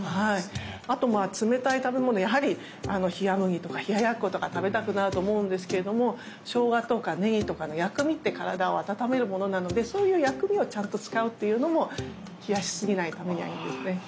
あとまあ冷たい食べ物やはり冷や麦とか冷ややっことか食べたくなると思うんですけれどもものなのでそういう薬味をちゃんと使うっていうのも冷やし過ぎないためにはいいんですね。